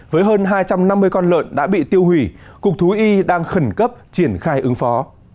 với hơn hai trăm năm mươi con lợn đã bị tiêu hủy cục thú y đang khẩn cấp triển khai ứng phó